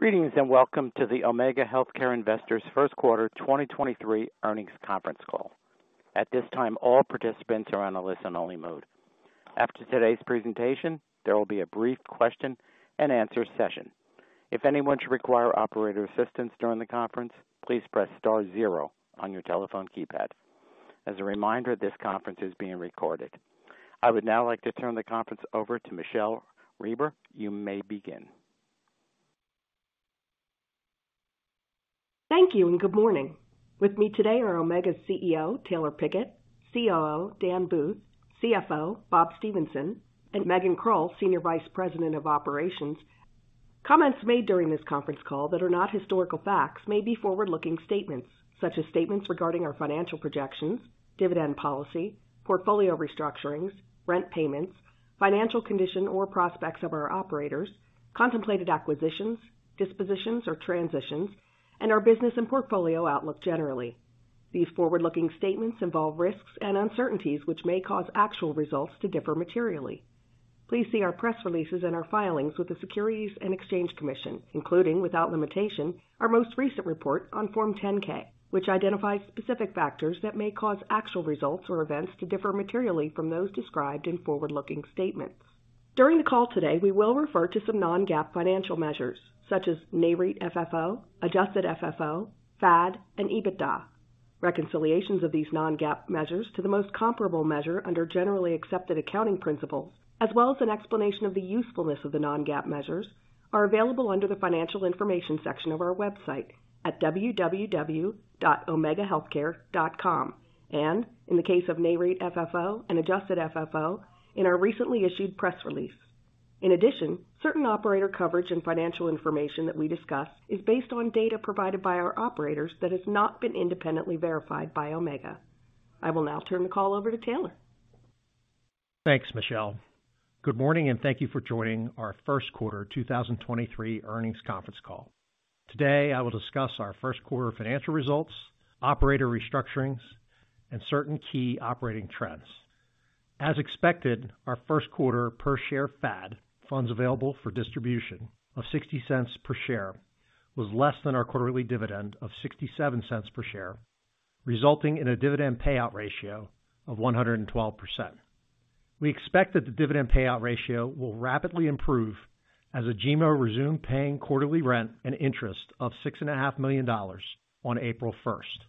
Greetings and welcome to the Omega Healthcare Investors first quarter 2023 earnings conference call. At this time, all participants are on a listen-only mode. After today's presentation, there will be a brief question-and-answer session. If anyone should require operator assistance during the conference, please press star zero on your telephone keypad. As a reminder, this conference is being recorded. I would now like to turn the conference over to Michele Reber. You may begin. Thank you, and good morning. With me today are Omega's CEO, Taylor Pickett, COO, Dan Booth, CFO, Bob Stephenson, and Megan Krull, Senior Vice President of Operations. Comments made during this conference call that are not historical facts may be forward-looking statements such as statements regarding our financial projections, dividend policy, portfolio restructurings, rent payments, financial condition or prospects of our operators, contemplated acquisitions, dispositions or transitions, and our business and portfolio outlook generally. These forward-looking statements involve risks and uncertainties which may cause actual results to differ materially. Please see our press releases and our filings with the Securities and Exchange Commission including, without limitation, our most recent report on Form 10-K, which identifies specific factors that may cause actual results or events to differ materially from those described in forward-looking statements. During the call today, we will refer to some non-GAAP financial measures such as Nareit FFO, adjusted FFO, FAD, and EBITDA. Reconciliations of these non-GAAP measures to the most comparable measure under generally accepted accounting principles, as well as an explanation of the usefulness of the non-GAAP measures, are available under the Financial Information section of our website at www.omegahealthcare.com and, in the case of Nareit FFO and adjusted FFO, in our recently issued press release. In addition, certain operator coverage and financial information that we discuss is based on data provided by our operators that has not been independently verified by Omega. I will now turn the call over to Taylor. Thanks, Michele. Good morning. Thank you for joining our first quarter 2023 earnings conference call. Today, I will discuss our first quarter financial results, operator restructurings, and certain key operating trends. As expected, our first quarter per share FAD, funds available for distribution of $0.60 per share, was less than our quarterly dividend of $0.67 per share, resulting in a dividend payout ratio of 112%. We expect that the dividend payout ratio will rapidly improve as Agemo resumed paying quarterly rent and interest of $6.5 million on April 1st.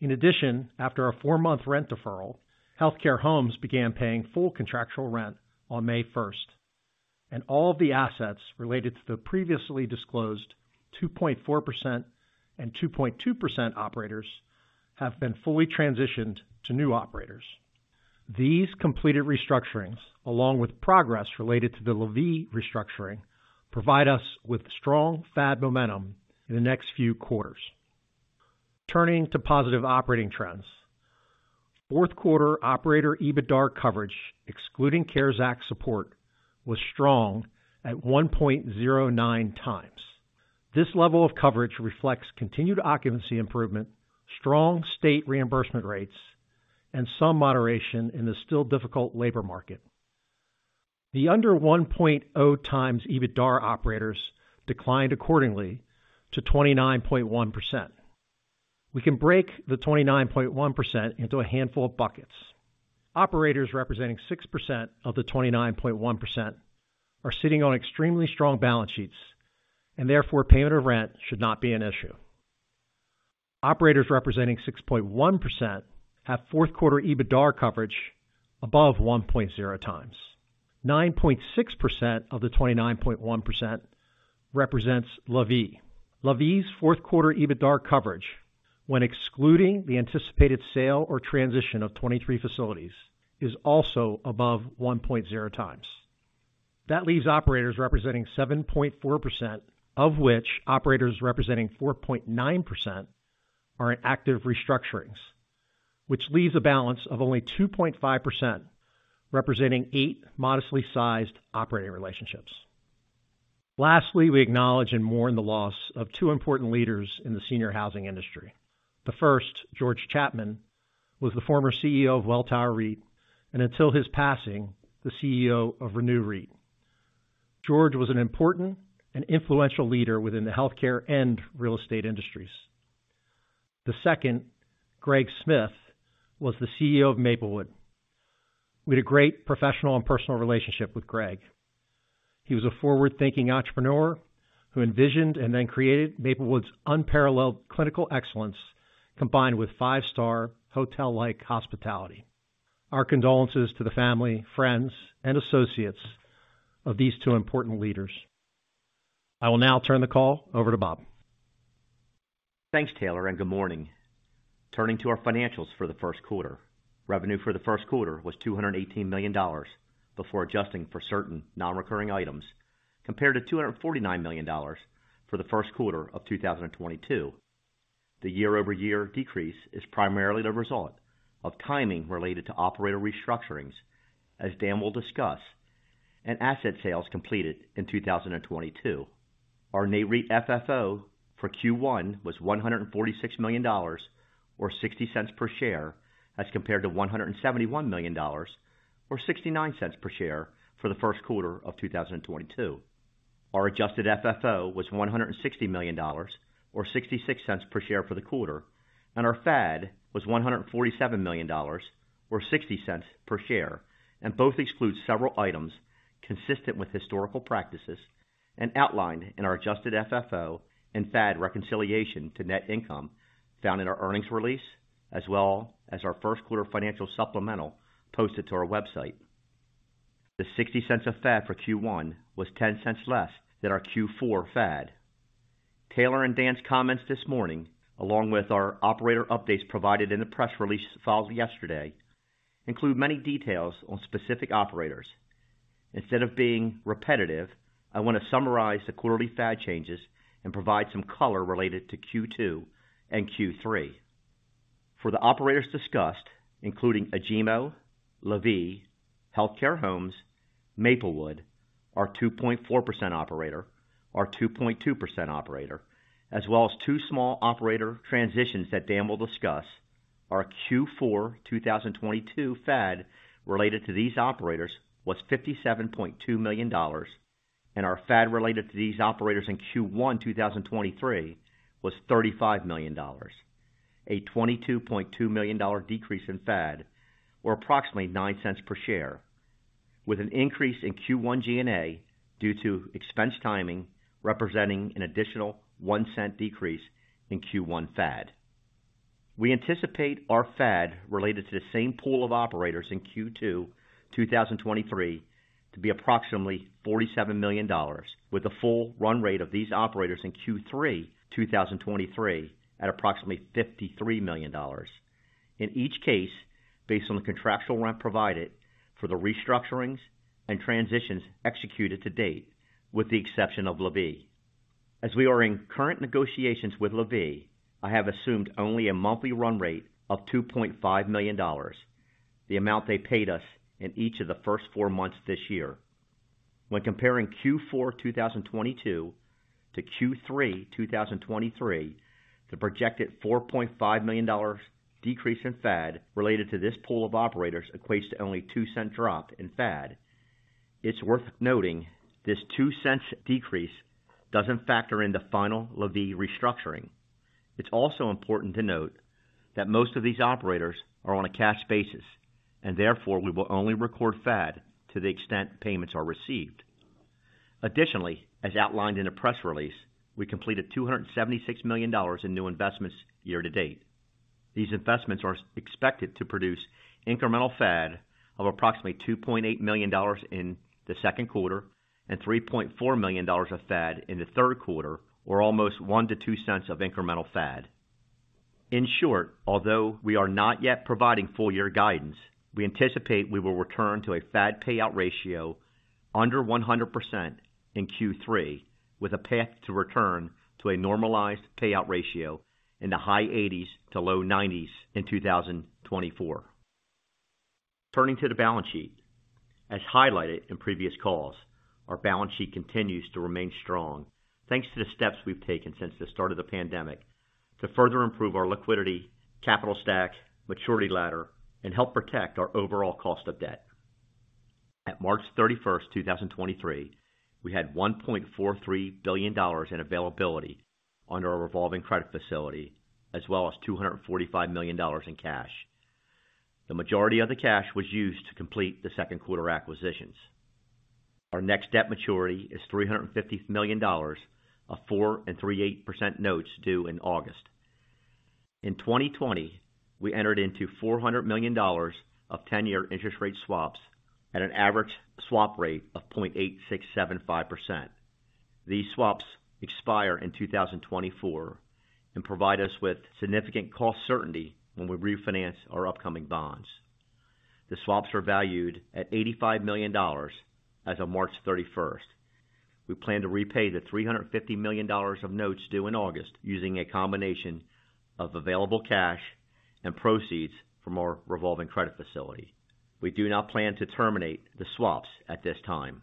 In addition, after a four-month rent deferral, Healthcare Homes began paying full contractual rent on May 1st, and all of the assets related to the previously disclosed 2.4% and 2.2% operators have been fully transitioned to new operators. These completed restructurings, along with progress related to the LaVie restructuring, provide us with strong FAD momentum in the next few quarters. Turning to positive operating trends. Fourth quarter operator EBITDAR coverage, excluding CARES Act support, was strong at 1.09x. This level of coverage reflects continued occupancy improvement, strong state reimbursement rates, and some moderation in the still difficult labor market. The under 1.0x EBITDAR operators declined accordingly to 29.1%. We can break the 29.1% into a handful of buckets. Operators representing 6% of the 29.1% are sitting on extremely strong balance sheets and therefore payment of rent should not be an issue. Operators representing 6.1% have Fourth quarter EBITDAR coverage above 1.0x. 9.6% of the 29.1% represents LaVie. LaVie's fourth quarter EBITDAR coverage, when excluding the anticipated sale or transition of 23 facilities, is also above 1.0x. That leaves operators representing 7.4% of which operators representing 4.9% are in active restructurings, which leaves a balance of only 2.5% representing eight modestly sized operating relationships. Lastly, we acknowledge and mourn the loss of two important leaders in the senior housing industry. The first, George Chapman, was the former CEO of Welltower Inc, and until his passing, the CEO of ReNew REIT. George was an important and influential leader within the healthcare and real estate industries. The second, Greg Smith, was the CEO of Maplewood. We had a great professional and personal relationship with Greg. He was a forward-thinking entrepreneur who envisioned and then created Maplewood's unparalleled clinical excellence, combined with five-star hotel-like hospitality. Our condolences to the family, friends, and associates of these two important leaders. I will now turn the call over to Bob. Thanks, Taylor, and good morning. Turning to our financials for the first quarter. Revenue for the first quarter was $218 million before adjusting for certain non-recurring items compared to $249 million for the first quarter of 2022. The year-over-year decrease is primarily the result of timing related to operator restructurings, as Dan will discuss, and asset sales completed in 2022. Our Nareit FFO for Q1 was $146 million or $0.60 per share as compared to $171 million or $0.69 per share for the first quarter of 2022. Our adjusted FFO was $160 million or $0.66 per share for the quarter. Our FAD was $147 million or $0.60 per share. Both exclude several items consistent with historical practices and outlined in our adjusted FFO and FAD reconciliation to net income found in our earnings release, as well as our first quarter financial supplemental posted to our website. The $0.60 of FAD for Q1 was $0.10 less than our Q4 FAD. Taylor and Dan's comments this morning, along with our operator updates provided in the press release filed yesterday, include many details on specific operators. Instead of being repetitive, I want to summarize the quarterly FAD changes and provide some color related to Q2 and Q3. For the operators discussed, including Agemo, LaVie, Healthcare Homes, Maplewood, our 2.4% operator, our 2.2% operator, as well as two small operator transitions that Dan will discuss. Our Q4 2022 FAD related to these operators was $57.2 million, and our FAD related to these operators in Q1 2023 was $35 million. A $22.2 million decrease in FAD, or approximately $0.09 per share, with an increase in Q1 G&A due to expense timing, representing an additional $0.01 decrease in Q1 FAD. We anticipate our FAD related to the same pool of operators in Q2 2023 to be approximately $47 million, with the full run rate of these operators in Q3 2023 at approximately $53 million. In each case, based on the contractual rent provided for the restructurings and transitions executed to date, with the exception of LaVie. As we are in current negotiations with LaVie, I have assumed only a monthly run rate of $2.5 million, the amount they paid us in each of the first four months this year. When comparing Q4 2022-Q3 2023, the projected $4.5 million decrease in FAD related to this pool of operators equates to only $0.02 drop in FAD. It's worth noting this $0.02 decrease doesn't factor in the final LaVie restructuring. It's also important to note that most of these operators are on a cash basis, and therefore we will only record FAD to the extent payments are received. Additionally, as outlined in the press release, we completed $276 million in new investments year-to-date. These investments are expected to produce incremental FAD of approximately $2.8 million in the second quarter and $3.4 million of FAD in the third quarter, or almost $0.01-$0.02 of incremental FAD. In short, although we are not yet providing full year guidance, we anticipate we will return to a FAD payout ratio under 100% in Q3, with a path to return to a normalized payout ratio in the high 80s to low 90s in 2024. Turning to the balance sheet. As highlighted in previous calls, our balance sheet continues to remain strong, thanks to the steps we've taken since the start of the pandemic to further improve our liquidity, capital stack, maturity ladder, and help protect our overall cost of debt. At March 31st, 2023, we had $1.43 billion in availability under our revolving credit facility, as well as $245 million in cash. The majority of the cash was used to complete the second quarter acquisitions. Our next debt maturity is $350 million of 4.375% notes due in August. In 2020, we entered into $400 million of 10-year interest rate swaps at an average swap rate of 0.8675%. These swaps expire in 2024 and provide us with significant cost certainty when we refinance our upcoming bonds. The swaps are valued at $85 million as March 31st. We plan to repay the $350 million of notes due in August using a combination of available cash and proceeds from our revolving credit facility. We do not plan to terminate the swaps at this time.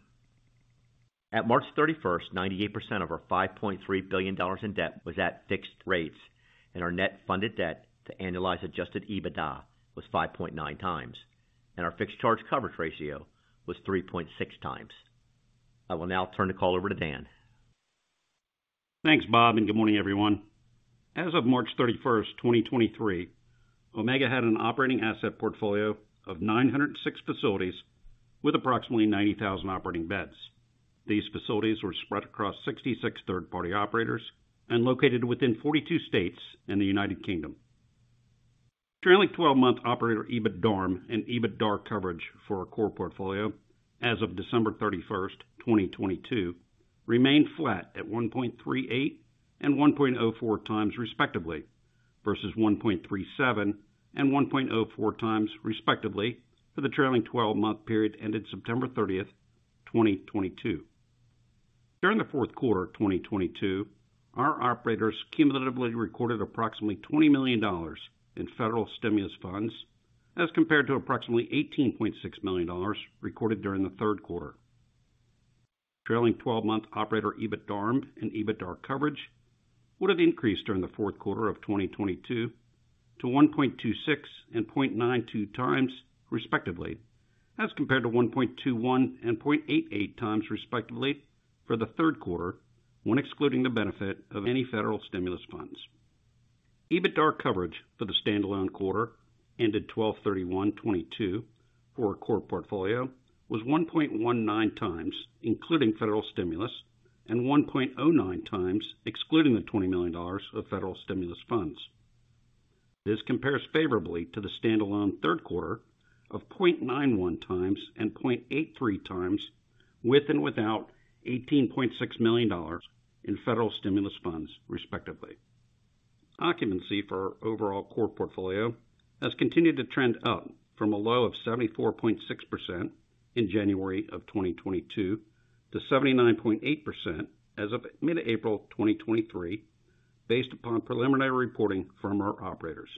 March 31st, 98% of our $5.3 billion in debt was at fixed rates, and our net funded debt to annualize Adjusted EBITDA was 5.9x, and our fixed charge coverage ratio was 3.6x. I will now turn the call over to Dan. Thanks, Bob, and good morning, everyone. As March 31st, 2023, Omega had an operating asset portfolio of 906 facilities with approximately 90,000 operating beds. These facilities were spread across 66 third party operators and located within 42 states and the United Kingdom. Trailing 12-month operator EBITDARM and EBITDAR coverage for our core portfolio as of December 31st, 2022 remained flat at 1.38x and 1.04x respectively, versus 1.37x and 1.04x respectively for the trailing 12-month period ended September 30th, 2022. During the fourth quarter of 2022, our operators cumulatively recorded approximately $20 million in federal stimulus funds as compared to approximately $18.6 million recorded during the third quarter. Trailing 12-month operator EBITDARM and EBITDAR coverage would have increased during the fourth quarter of 2022 to 1.26x and 0.92x, respectively, as compared to 1.21x and 0.88x, respectively, for the third quarter, when excluding the benefit of any federal stimulus funds. EBITDAR coverage for the standalone quarter ended 12/31/2022 for our core portfolio was 1.19x, including federal stimulus, and 1.09x excluding the $20 million of federal stimulus funds. This compares favorably to the standalone third quarter of 0.91x and 0.83x with and without $18.6 million in federal stimulus funds, respectively. Occupancy for our overall core portfolio has continued to trend up from a low of 74.6% in January 2022 to 79.8% as of mid-April 2023, based upon preliminary reporting from our operators.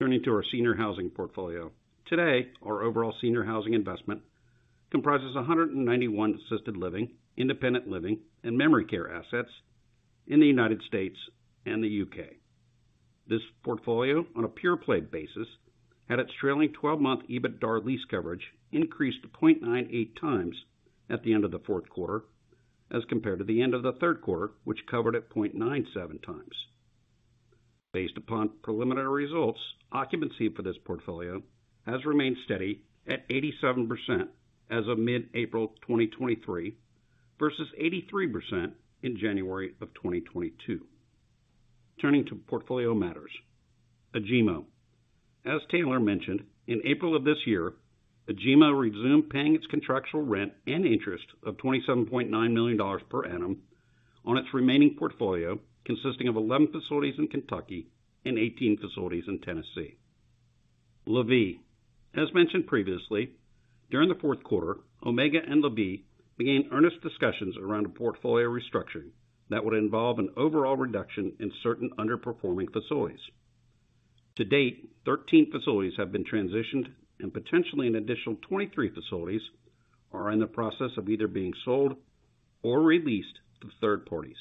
Turning to our senior housing portfolio. Today, our overall senior housing investment comprises 191 assisted living, independent living and memory care assets in the United States and the U.K. This portfolio, on a pure-play basis, had its trailing 12-month EBITDAR lease coverage increased to 0.98x at the end of the fourth quarter as compared to the end of the third quarter, which covered at 0.97x. Based upon preliminary results, occupancy for this portfolio has remained steady at 87% as of mid-April 2023 versus 83% in January of 2022. Turning to portfolio matters. Agemo. As Taylor mentioned, in April of this year, Agemo resumed paying its contractual rent and interest of $27.9 million per annum on its remaining portfolio, consisting of 11 facilities in Kentucky and 18 facilities in Tennessee. LaVie. As mentioned previously, during the fourth quarter, Omega and LaVie began earnest discussions around a portfolio restructuring that would involve an overall reduction in certain underperforming facilities. To date, 13 facilities have been transitioned and potentially an additional 23 facilities are in the process of either being sold or re-leased to third parties.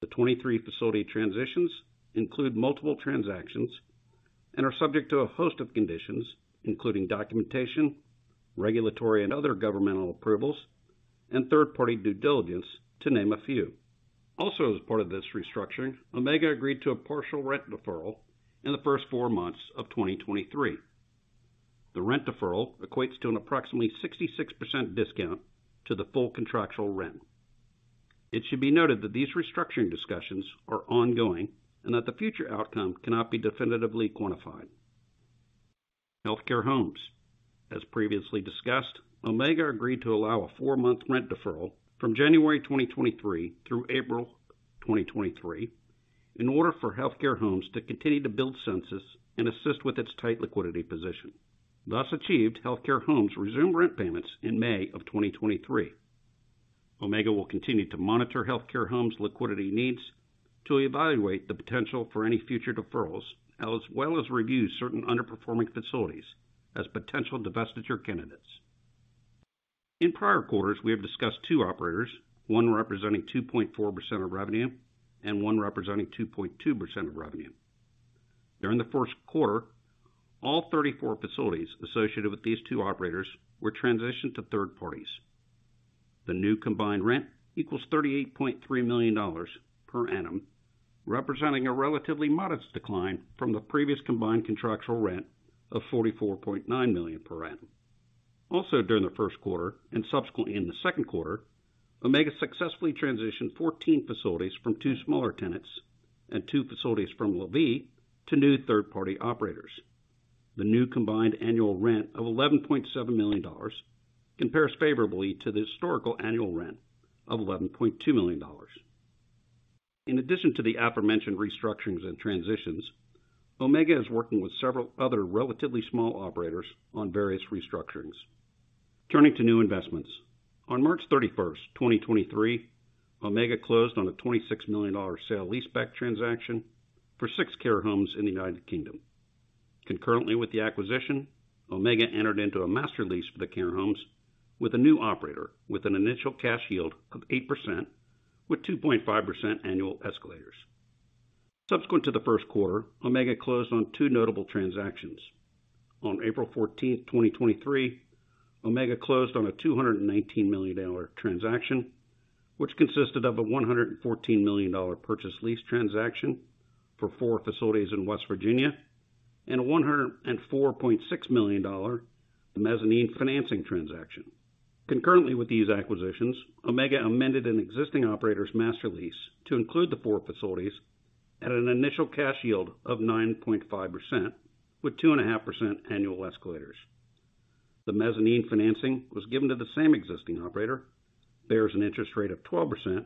The 23 facility transitions include multiple transactions and are subject to a host of conditions, including documentation, regulatory and other governmental approvals, and third party due diligence, to name a few. As part of this restructuring, Omega agreed to a partial rent deferral in the first four months of 2023. The rent deferral equates to an approximately 66% discount to the full contractual rent. It should be noted that these restructuring discussions are ongoing and that the future outcome cannot be definitively quantified. Healthcare Homes. As previously discussed, Omega agreed to allow a four-month rent deferral from January 2023 through April 2023 in order for Healthcare Homes to continue to build census and assist with its tight liquidity position. Thus achieved, Healthcare Homes resumed rent payments in May of 2023. Omega will continue to monitor Healthcare Homes' liquidity needs to evaluate the potential for any future deferrals, as well as review certain underperforming facilities as potential divestiture candidates. In prior quarters, we have discussed two operators, one representing 2.4% of revenue and one representing 2.2% of revenue. During the first quarter, all 34 facilities associated with these two operators were transitioned to third parties. The new combined rent equals $38.3 million per annum, representing a relatively modest decline from the previous combined contractual rent of $44.9 million per annum. During the first quarter and subsequently in the second quarter, Omega successfully transitioned 14 facilities from two smaller tenants and two facilities from LaVie to new third party operators. The new combined annual rent of $11.7 million compares favorably to the historical annual rent of $11.2 million. In addition to the aforementioned restructurings and transitions, Omega is working with several other relatively small operators on various restructurings. Turning to new investments. On March 31st, 2023, Omega closed on a GBP 26 million sale-leaseback transaction for six care homes in the United Kingdom. Concurrently with the acquisition, Omega entered into a master lease for the care homes with a new operator with an initial cash yield of 8% with 2.5% annual escalators. Subsequent to the first quarter, Omega closed on two notable transactions. On April 14th, 2023, Omega closed on a $219 million transaction, which consisted of a $114 million purchase-lease transaction for four facilities in West Virginia and a $104.6 million mezzanine financing transaction. Concurrently with these acquisitions, Omega amended an existing operator's master lease to include the four facilities at an initial cash yield of 9.5% with 2.5% annual escalators. The mezzanine financing was given to the same existing operator, bears an interest rate of 12%,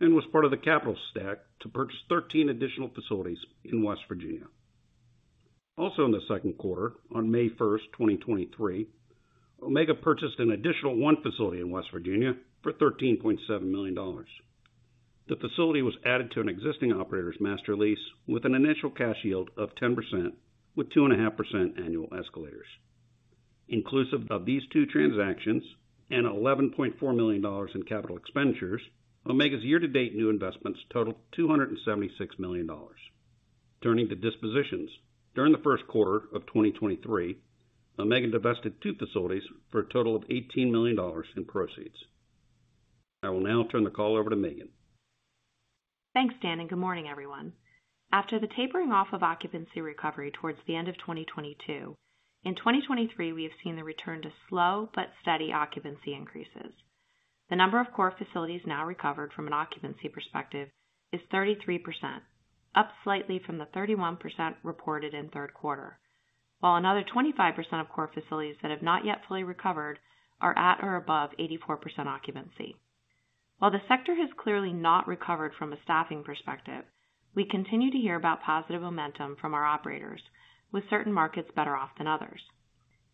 and was part of the capital stack to purchase 13 additional facilities in West Virginia. Also in the second quarter, on May 1st, 2023, Omega purchased an additional one facility in West Virginia for $13.7 million. The facility was added to an existing operator's master lease with an initial cash yield of 10% with 2.5% annual escalators. Inclusive of these two transactions and $11.4 million in capital expenditures, Omega's year-to-date new investments totaled $276 million. Turning to dispositions. During the first quarter of 2023, Omega divested two facilities for a total of $18 million in proceeds. I will now turn the call over to Megan. Thanks, Dan. Good morning, everyone. After the tapering off of occupancy recovery towards the end of 2022, in 2023, we have seen the return to slow but steady occupancy increases. The number of core facilities now recovered from an occupancy perspective is 33%, up slightly from the 31% reported in third quarter. While another 25% of core facilities that have not yet fully recovered are at or above 84% occupancy. While the sector has clearly not recovered from a staffing perspective, we continue to hear about positive momentum from our operators, with certain markets better off than others.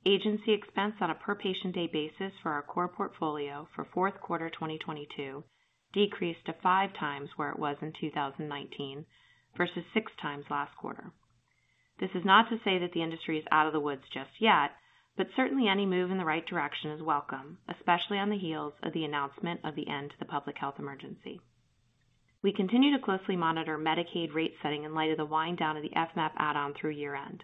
Agency expense on a per patient day basis for our core portfolio for fourth quarter 2022 decreased to 5x where it was in 2019 versus 6x last quarter. This is not to say that the industry is out of the woods just yet, but certainly any move in the right direction is welcome, especially on the heels of the announcement of the end to the public health emergency. We continue to closely monitor Medicaid rate setting in light of the wind down of the FMAP add-on through year-end.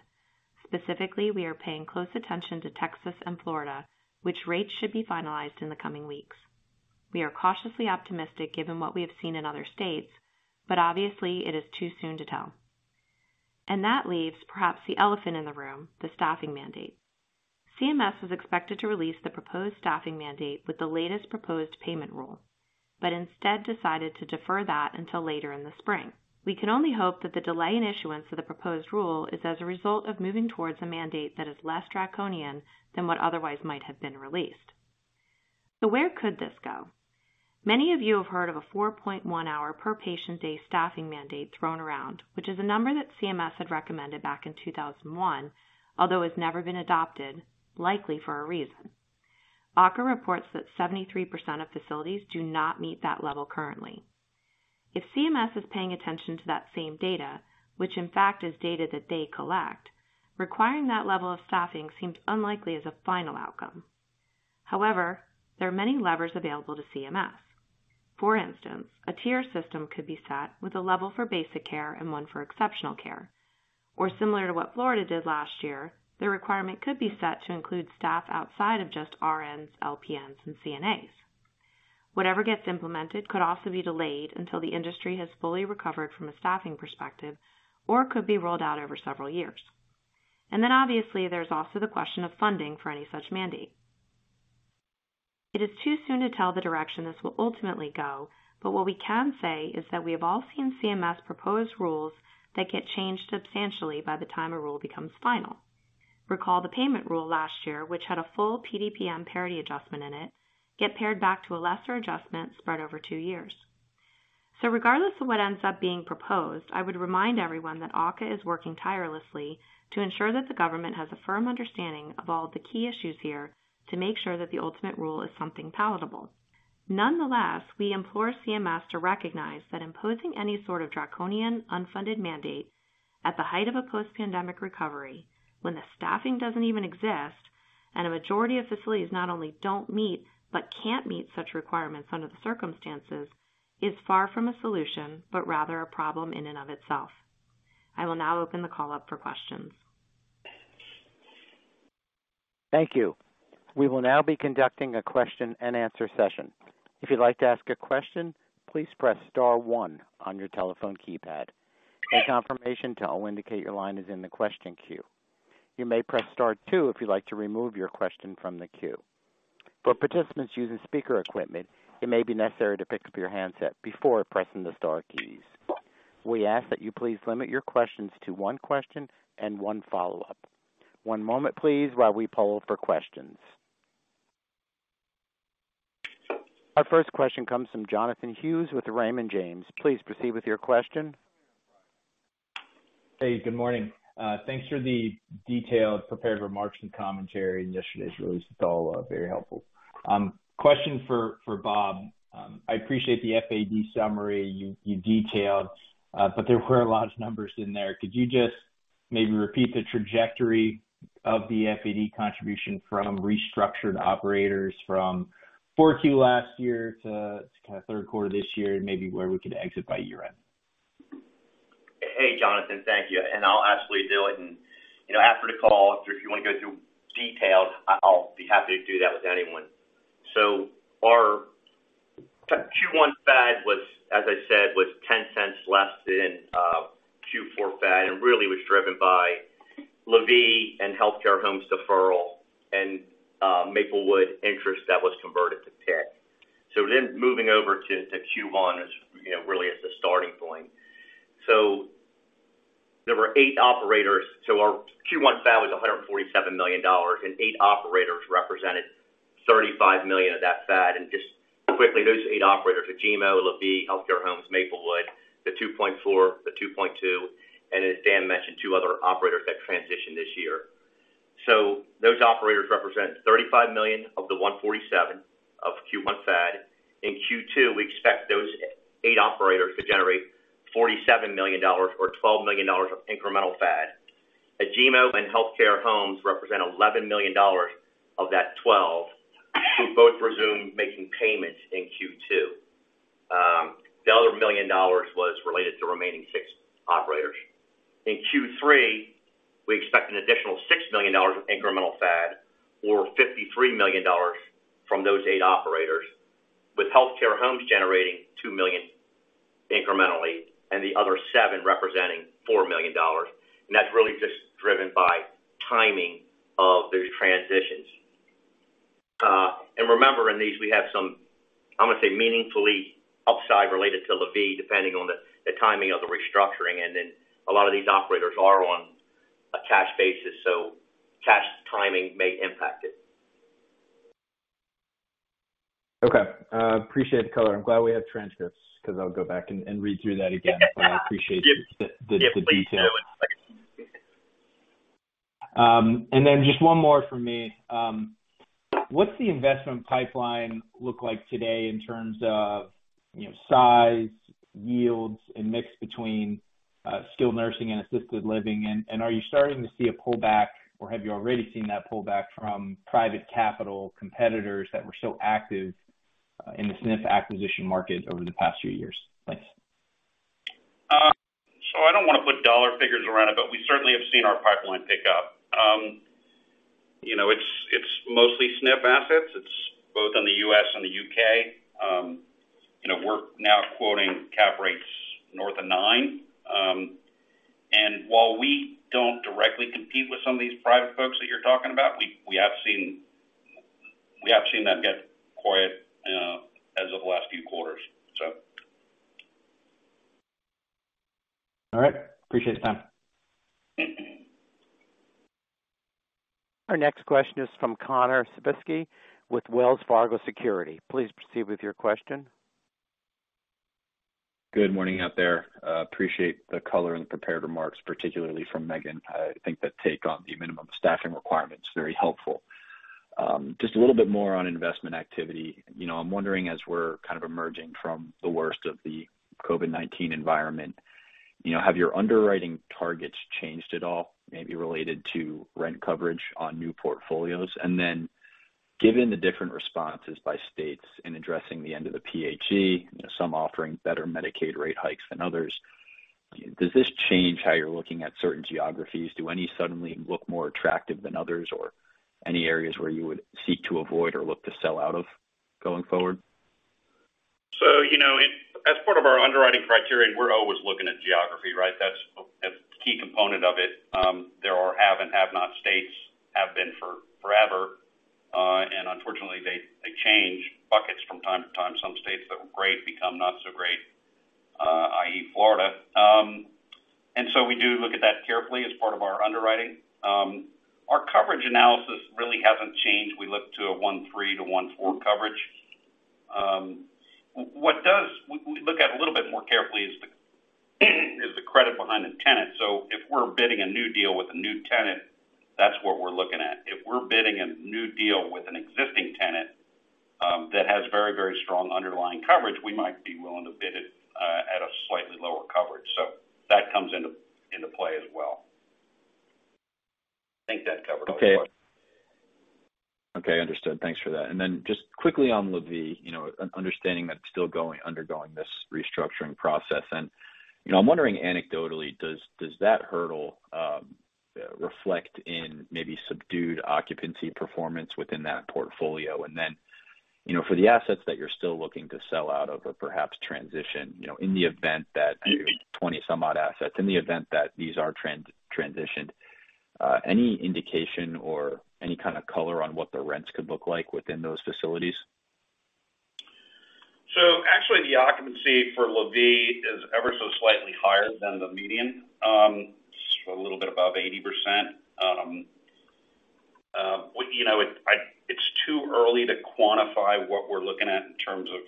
Specifically, we are paying close attention to Texas and Florida, which rates should be finalized in the coming weeks. We are cautiously optimistic given what we have seen in other states, but obviously it is too soon to tell. That leaves perhaps the elephant in the room, the staffing mandate. CMS was expected to release the proposed staffing mandate with the latest proposed payment rule, but instead decided to defer that until later in the spring. We can only hope that the delay in issuance of the proposed rule is as a result of moving towards a mandate that is less draconian than what otherwise might have been released. Where could this go? Many of you have heard of a 4.1 hour per patient day staffing mandate thrown around, which is a number that CMS had recommended back in 2001, although it's never been adopted, likely for a reason. AHCA reports that 73% of facilities do not meet that level currently. If CMS is paying attention to that same data, which in fact is data that they collect, requiring that level of staffing seems unlikely as a final outcome. However, there are many levers available to CMS. For instance, a tier system could be set with a level for basic care and one for exceptional care. Or similar to what Florida did last year, the requirement could be set to include staff outside of just RNs, LPNs, and CNAs. Whatever gets implemented could also be delayed until the industry has fully recovered from a staffing perspective or could be rolled out over several years. Obviously, there's also the question of funding for any such mandate. It is too soon to tell the direction this will ultimately go, but what we can say is that we have all seen CMS propose rules that get changed substantially by the time a rule becomes final. Recall the payment rule last year, which had a full PDPM parity adjustment in it, get paired back to a lesser adjustment spread over two years. Regardless of what ends up being proposed, I would remind everyone that AHCA is working tirelessly to ensure that the government has a firm understanding of all the key issues here to make sure that the ultimate rule is something palatable. Nonetheless, we implore CMS to recognize that imposing any sort of draconian, unfunded mandate at the height of a post-pandemic recovery when the staffing doesn't even exist and a majority of facilities not only don't meet but can't meet such requirements under the circumstances, is far from a solution, but rather a problem in and of itself. I will now open the call up for questions. Thank you. We will now be conducting a question and answer session. If you'd like to ask a question, please press star one on your telephone keypad. A confirmation tone will indicate your line is in the question queue. You may press star two if you'd like to remove your question from the queue. For participants using speaker equipment, it may be necessary to pick up your handset before pressing the star keys. We ask that you please limit your questions to one question and one follow-up. One moment, please, while we poll for questions. Our first question comes from Jonathan Hughes with Raymond James. Please proceed with your question. Hey, good morning. Thanks for the detailed prepared remarks and commentary in yesterday's release. It's all very helpful. Question for Bob. I appreciate the FAD summary you detailed, there were a lot of numbers in there. Could you just maybe repeat the trajectory of the FAD contribution from restructured operators from 4Q last year to kind of 3Q this year, and maybe where we could exit by year-end? Hey, Jonathan. Thank you. I'll absolutely do it. You know, after the call, if you want to go through details, I'll be happy to do that with anyone. Our Q1 FAD was, as I said, was $0.10 less than Q4 FAD, and really was driven by LaVie and Healthcare Homes deferral and Maplewood interest that was converted to PIK. Moving over to Q1 is, you know, really is the starting point. There were eight operators. Our Q1 FAD was $147 million, and eight operators represented $35 million of that FAD. Just quickly, those eight operators are Agemo, LaVie, Healthcare Homes, Maplewood, the 2.4, the 2.2, and as Dan mentioned, two other operators that transitioned this year. Those operators represent $35 million of the $147 of Q1 FAD. In Q2, we expect those eight operators to generate $47 million or $12 million of incremental FAD. Agemo and Healthcare Homes represent $11 million of that $12 million, who both resume making payments in Q2. The other $1 million was related to remaining six operators. In Q3, we expect an additional $6 million of incremental FAD or $53 million from those eight operators, with Healthcare Homes generating $2 million incrementally and the other seven representing $4 million. That's really just driven by timing of these transitions. Remember, in these we have some, I'm gonna say meaningfully upside related to LaVie, depending on the timing of the restructuring. A lot of these operators are on a cash basis, so cash timing may impact it. Okay. appreciate the color. I'm glad we have transcripts because I'll go back and read through that again. I appreciate the detail. Yeah, please do. Just one more from me. What's the investment pipeline look like today in terms of, you know, size, yields, and mix between skilled nursing and assisted living? And are you starting to see a pullback or have you already seen that pullback from private capital competitors that were so active in the SNF acquisition market over the past few years? Thanks. I don't wanna put dollar figures around it, but we certainly have seen our pipeline pick up. You know, it's mostly SNF assets. It's both in the U.S. and the U.K. You know, we're now quoting cap rates north of 9%. While we don't directly compete with some of these private folks that you're talking about, we have seen them get quiet as of the last few quarters. All right. Appreciate the time. Our next question is from Connor Siversky with Wells Fargo Securities. Please proceed with your question. Good morning out there. Appreciate the color and the prepared remarks, particularly from Megan. I think that take on the minimum staffing requirement is very helpful. Just a little bit more on investment activity. You know, I'm wondering, as we're kind of emerging from the worst of the COVID-19 environment, you know, have your underwriting targets changed at all, maybe related to rent coverage on new portfolios? Given the different responses by states in addressing the end of the PHE, you know, some offering better Medicaid rate hikes than others, does this change how you're looking at certain geographies? Do any suddenly look more attractive than others, or any areas where you would seek to avoid or look to sell out of going forward? You know, as part of our underwriting criteria, we're always looking at geography, right? That's a key component of it. There are have and have-not states, have been for forever. Unfortunately, they change buckets from time to time. Some states that were great become not so great, i.e., Florida. We do look at that carefully as part of our underwriting. Our coverage analysis really hasn't changed. We look to a 1.3-1.4 coverage. We look at a little bit more carefully is the credit behind the tenant. If we're bidding a new deal with a new tenant, that's what we're looking at. If we're bidding a new deal with an existing tenant, that has very strong underlying coverage, we might be willing to bid it, at a slightly lower coverage. That comes into play as well. I think that covered all your questions. Okay. Okay, understood. Thanks for that. Just quickly on LaVie, you know, understanding that it's still undergoing this restructuring process. You know, I'm wondering anecdotally, does that hurdle reflect in maybe subdued occupancy performance within that portfolio? You know, for the assets that you're still looking to sell out of or perhaps transition, you know, in the event that 20 some odd assets, in the event that these are transitioned, any indication or any kind of color on what the rents could look like within those facilities? Actually the occupancy for LaVie is ever so slightly higher than the median, just a little bit above 80%. You know, it's too early to quantify what we're looking at in terms of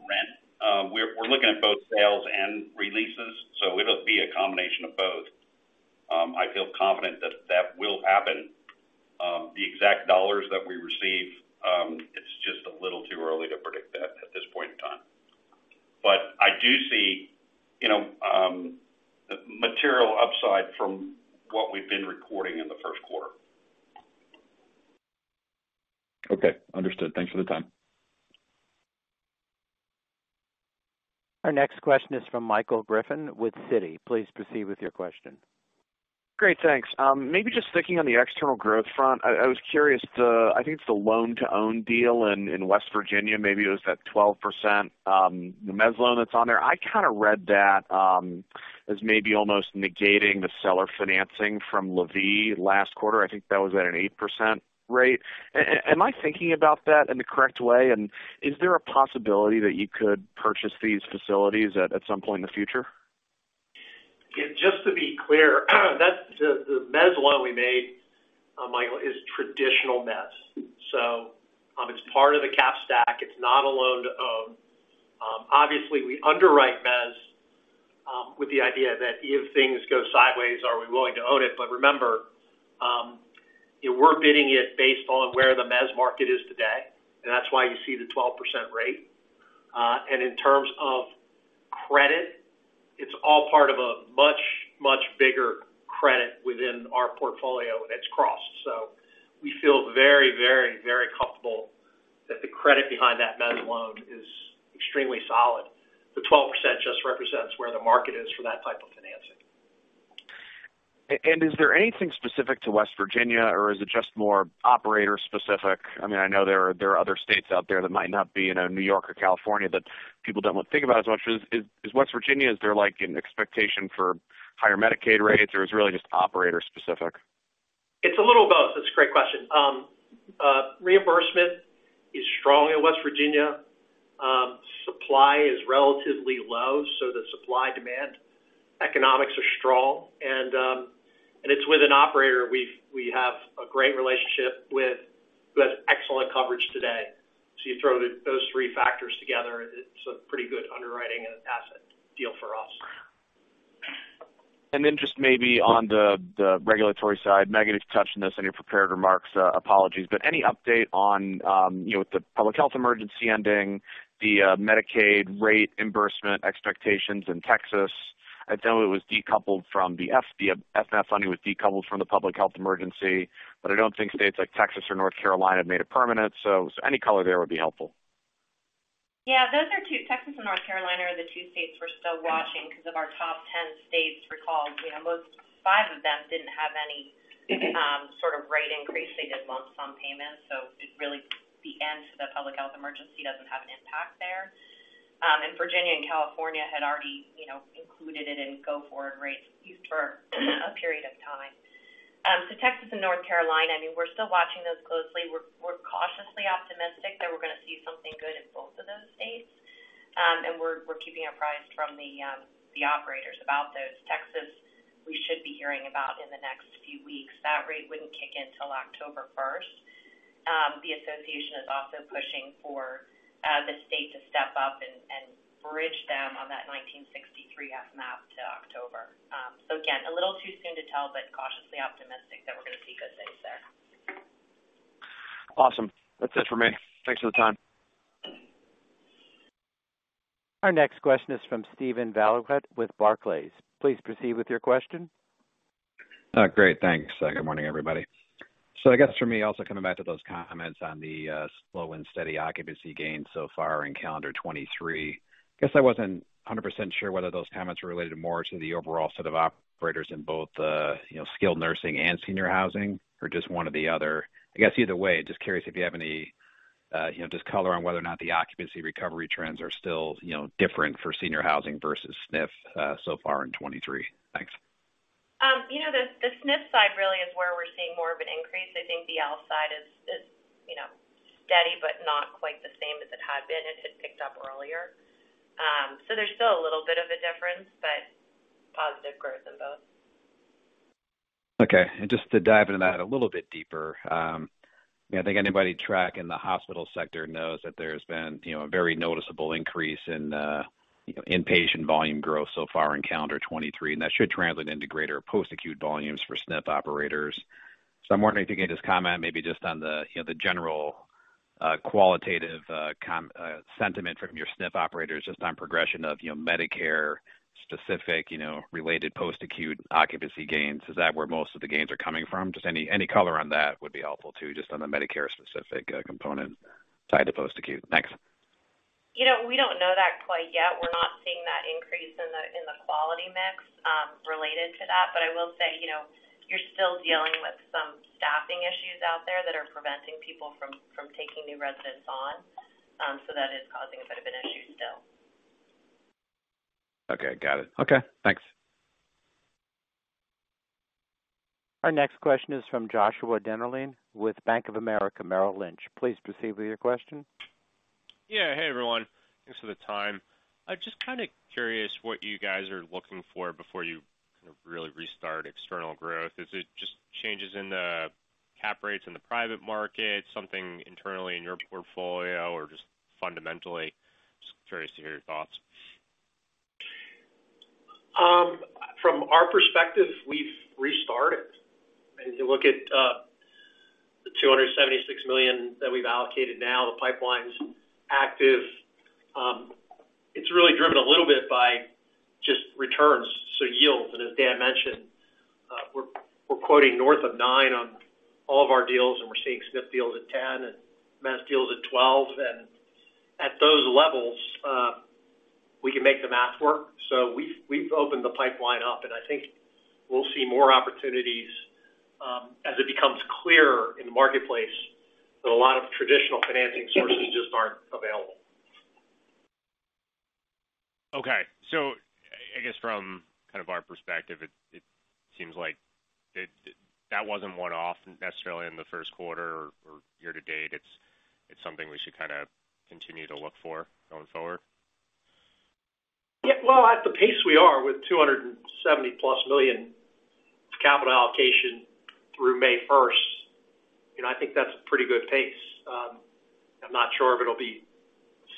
rent. We're looking at both sales and releases, so it'll be a combination of both. I feel confident that that will happen. The exact dollars that we receive, it's just a little too early to predict that at this point in time. I do see, you know, material upside from what we've been recording in the first quarter. Okay. Understood. Thanks for the time. Our next question is from Michael Griffin with Citi. Please proceed with your question. Great, thanks. Maybe just thinking on the external growth front, I think it's the loan-to-own deal in West Virginia, maybe it was that 12%, the mezz loan that's on there. I kind of read that as maybe almost negating the seller financing from LaVie last quarter. I think that was at an 8% rate. Am I thinking about that in the correct way? Is there a possibility that you could purchase these facilities at some point in the future? Just to be clear, that's the mezz loan we made, Michael, is traditional mezz. It's part of the cap stack. It's not a loan-to-own. Obviously we underwrite mezz. With the idea that if things go sideways, are we willing to own it? Remember, we're bidding it based on where the mez market is today, and that's why you see the 12% rate. In terms of credit, it's all part of a much bigger credit within our portfolio that's crossed. We feel very comfortable that the credit behind that mez loan is extremely solid. The 12% just represents where the market is for that type of financing. Is there anything specific to West Virginia or is it just more operator specific? I mean, I know there are other states out there that might not be in a New York or California that people don't want to think about as much. Is West Virginia, is there like an expectation for higher Medicaid rates or is it really just operator specific? It's a little of both. That's a great question. Reimbursement is strong in West Virginia. Supply is relatively low, the supply-demand economics are strong. It's with an operator we have a great relationship with, who has excellent coverage today. You throw those three factors together, it's a pretty good underwriting and asset deal for us. Just maybe on the regulatory side, Megan, you've touched on this in your prepared remarks, apologies. Any update on, you know, with the public health emergency ending, the Medicaid rate embarrassment expectations in Texas? I know it was decoupled from the FMAP funding was decoupled from the public health emergency, I don't think states like Texas or North Carolina have made it permanent. Any color there would be helpful. Those are two. Texas and North Carolina are the two states we're still watching because of our top ten states recalled. You know, most five of them didn't have any sort of rate increase. They did lump sum payments. It really, the end to the Public Health Emergency doesn't have an impact there. Virginia and California had already, you know, included it in go forward rates used for a period of time. Texas and North Carolina, I mean, we're still watching those closely. We're cautiously optimistic that we're going to see something good in both of those states. We're keeping apprised from the operators about those. Texas, we should be hearing about in the next few weeks. That rate wouldn't kick in till October first. The association is also pushing for the state to step up and bridge them on that 1963 FMAP to October. Again, a little too soon to tell, cautiously optimistic that we're going to see good things there. Awesome. That's it for me. Thanks for the time. Our next question is from Steven Valiquette with Barclays. Please proceed with your question. Great. Thanks. Good morning, everybody. I guess for me, also coming back to those comments on the slow and steady occupancy gains so far in calendar 2023. I guess I wasn't 100% sure whether those comments were related more to the overall set of operators in both the, you know, skilled nursing and senior housing or just one or the other. I guess either way, just curious if you have any, you know, just color on whether or not the occupancy recovery trends are still, you know, different for senior housing versus SNF so far in 2023. Thanks. You know, the SNF side really is where we're seeing more of an increase. I think the L side is, you know, steady but not quite the same as it had been. It had picked up earlier. There's still a little bit of a difference, but positive growth in both. Okay. Just to dive into that a little bit deeper, I think anybody tracking the hospital sector knows that there's been, you know, a very noticeable increase in inpatient volume growth so far in calendar 2023, and that should translate into greater post-acute volumes for SNF operators. I'm wondering if you could just comment maybe just on the, you know, the general qualitative sentiment from your SNF operators just on progression of, you know, Medicare specific, related post-acute occupancy gains. Is that where most of the gains are coming from? Just any color on that would be helpful too, just on the Medicare specific component tied to post-acute. Thanks. You know, we don't know that quite yet. We're not seeing that increase in the quality mix related to that. I will say, you know, you're still dealing with some staffing issues out there that are preventing people from taking new residents on. That is causing a bit of an issue still. Okay, got it. Okay, thanks. Our next question is from Joshua Dennerlein with Bank of America Merrill Lynch. Please proceed with your question. Yeah. Hey, everyone. Thanks for the time. I'm just kind of curious what you guys are looking for before you kind of really restart external growth. Is it just changes in the cap rates in the private market, something internally in your portfolio or just fundamentally? Just curious to hear your thoughts. From our perspective, we've restarted. If you look at the $276 million that we've allocated now, the pipeline's active. It's really driven a little bit by just returns, so yields. As Dan mentioned, we're quoting north of 9 on all of our deals, and we're seeing SNF deals at 10 and mass deals at 12. At those levels, we can make the math work. We've opened the pipeline up, and I think we'll see more opportunities, as it becomes clearer in the marketplace that a lot of traditional financing sources just aren't available. Okay. I guess from kind of our perspective, it seems like that wasn't one-off necessarily in the first quarter or year to date. It's something we should kind of continue to look for going forward. Yeah. At the pace we are with $270+ million capital allocation through May 1st, you know, I think that's a pretty good pace. It'll be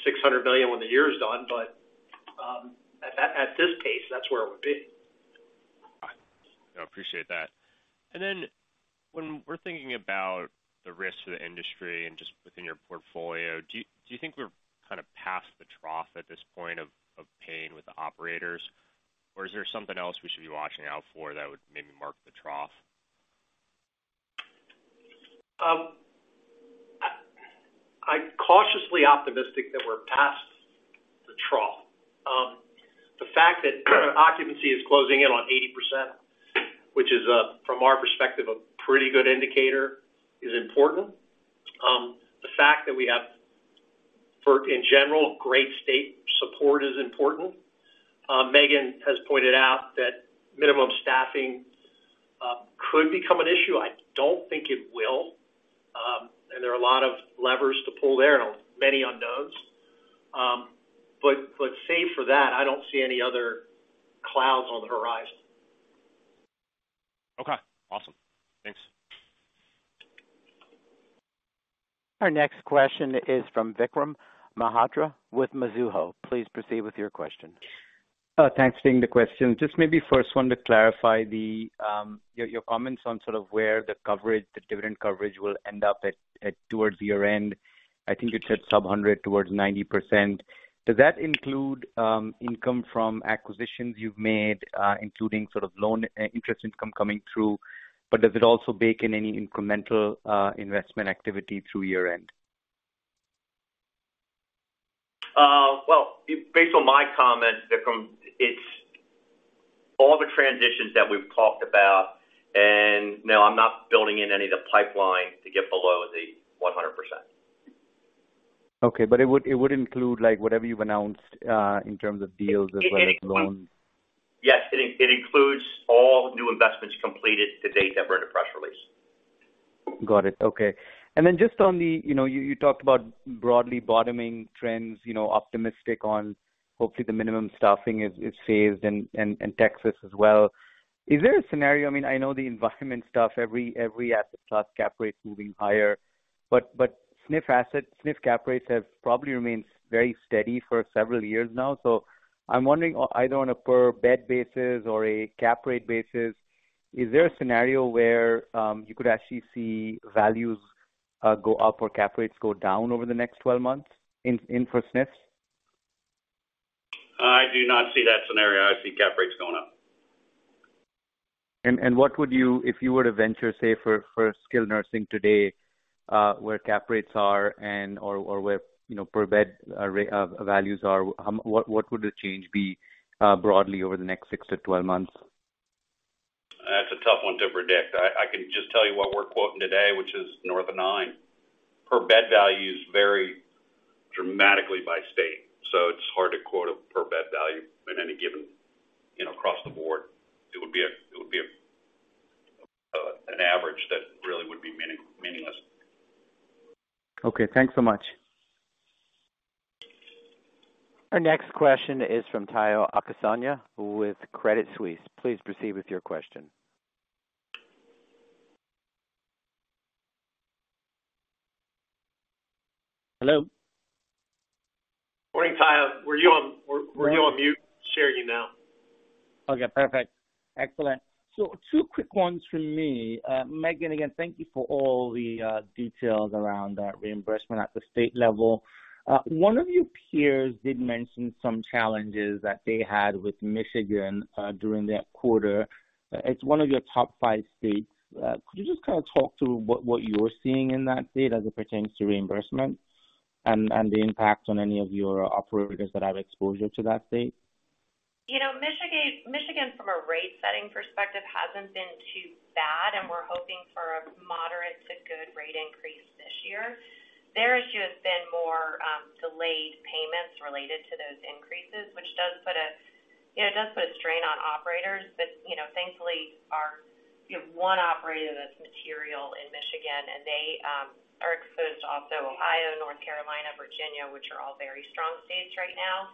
$600 million when the year is done, at this pace, that's where it would be. I appreciate that. When we're thinking about the risks to the industry and just within your portfolio, do you think we're kinda past the trough at this point of pain with the operators, or is there something else we should be watching out for that would maybe mark the trough? I'm cautiously optimistic that we're past the trough. The fact that occupancy is closing in on 80%, which is from our perspective, a pretty good indicator, is important. The fact that we have for, in general, great state support is important. Megan has pointed out that minimum staffing could become an issue. I don't think it will. There are a lot of levers to pull there and many unknowns. But save for that, I don't see any other clouds on the horizon. Okay, awesome. Thanks. Our next question is from Vikram Malhotra with Mizuho. Please proceed with your question. Thanks for taking the question. Just maybe first want to clarify the your comments on sort of where the coverage, the dividend coverage will end up at towards the year-end. I think you said sub-100 towards 90%. Does that include income from acquisitions you've made, including sort of loan interest income coming through, but does it also bake in any incremental investment activity through year-end? Well, based on my comments, Vikram, it's all the transitions that we've talked about and, no, I'm not building in any of the pipeline to get below the 100%. Okay, it would include, like, whatever you've announced, in terms of deals as well as loans? Yes. It includes all new investments completed to date that were in the press release. Got it. Okay. Then just on the, you know, you talked about broadly bottoming trends, you know, optimistic on hopefully the minimum staffing is saved and Texas as well. Is there a scenario, I mean, I know the environment stuff, every asset class cap rate is moving higher, but SNF cap rates have probably remained very steady for several years now. I'm wondering either on a per bed basis or a cap rate basis, is there a scenario where you could actually see values go up or cap rates go down over the next 12 months in for SNF? I do not see that scenario. I see cap rates going up. What would you, if you were to venture, say, for skilled nursing today, where cap rates are and or where, you know, per bed, values are, what would the change be, broadly over the next six-12 months? That's a tough one to predict. I can just tell you what we're quoting today, which is north of nine. Per bed values vary dramatically by state, so it's hard to quote a per bed value in any given, you know, across the board. It would be an average that really would be meaningless. Okay, thanks so much. Our next question is from Tayo Okusanya with Credit Suisse. Please proceed with your question. Hello. Morning, Tayo. Were you on mute? Sharing you now. Okay, perfect. Excellent. Two quick ones from me. Megan, again, thank you for all the details around reimbursement at the state level. One of your peers did mention some challenges that they had with Michigan during their quarter. It's one of your top five states. Could you just kind of talk to what you're seeing in that state as it pertains to reimbursement and the impact on any of your operators that have exposure to that state? You know, Michigan from a rate setting perspective hasn't been too bad. We're hoping for a moderate to good rate increase this year. Their issue has been more delayed payments related to those increases, which you know, does put a strain on operators. You know, thankfully, our, you know, one operator that's material in Michigan and they are exposed to also Ohio, North Carolina, Virginia, which are all very strong states right now.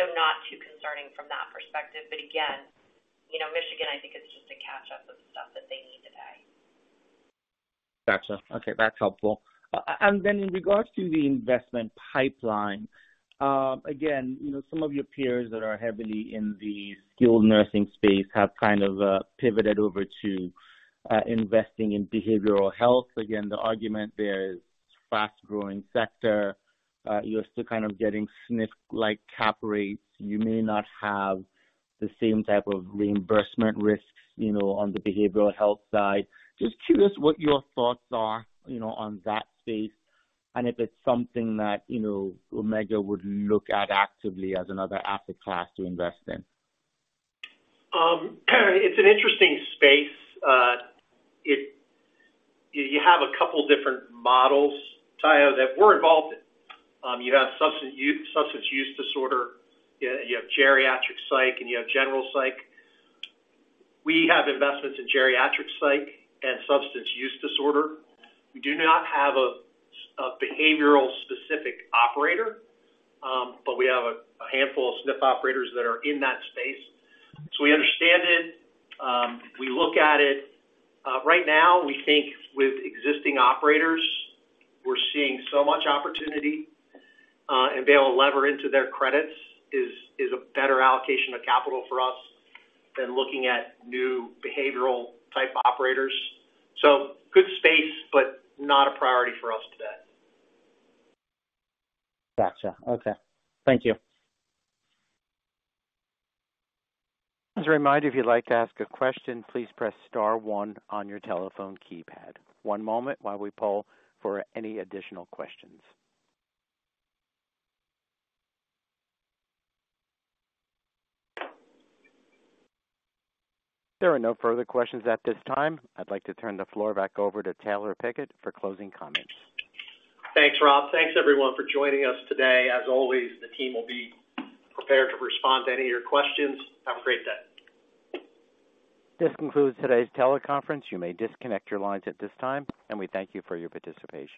Not too concerning from that perspective. Again, you know, Michigan, I think it's just a catch up of stuff that they need today. Gotcha. Okay, that's helpful. In regards to the investment pipeline, again, you know, some of your peers that are heavily in the skilled nursing space have kind of pivoted over to investing in behavioral health. Again, the argument there is fast-growing sector. You're still kind of getting SNF-like cap rates. You may not have the same type of reimbursement risks, you know, on the behavioral health side. Just curious what your thoughts are, you know, on that space, and if it's something that, you know, Omega would look at actively as another asset class to invest in. It's an interesting space. You have a couple different models, Tayo, that we're involved in. You have substance use, substance use disorder, you have geriatric psych, and you have general psych. We have investments in geriatric psych and substance use disorder. We do not have a behavioral specific operator, but we have a handful of SNF operators that are in that space. We understand it. We look at it. Right now, we think with existing operators, we're seeing so much opportunity, and be able to lever into their credits is a better allocation of capital for us than looking at new behavioral type operators. Good space, but not a priority for us today. Gotcha. Okay. Thank you. As a reminder, if you'd like to ask a question, please press star one on your telephone keypad. One moment while we poll for any additional questions. There are no further questions at this time. I'd like to turn the floor back over to Taylor Pickett for closing comments. Thanks, Rob. Thanks, everyone, for joining us today. As always, the team will be prepared to respond to any of your questions. Have a great day. This concludes today's teleconference. You may disconnect your lines at this time, and we thank you for your participation.